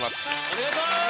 お願いします！